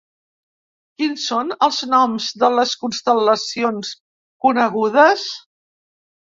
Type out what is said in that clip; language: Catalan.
Quins són els noms de les constel·lacions conegudes?